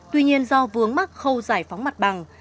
tuy nhiên do vướng mắc khâu giải phóng mặt bằng